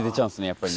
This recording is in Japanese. やっぱり。